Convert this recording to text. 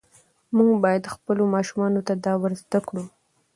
موږ باید خپلو ماشومانو ته دا ور زده کړو.